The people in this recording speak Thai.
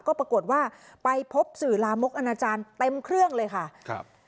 ก็ปรากฏว่าไปพบสื่อลามกอนาจารย์เต็มเครื่องเลยค่ะครับ